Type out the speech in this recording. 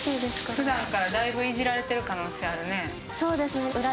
普段からだいぶイジられてる可能性あるね。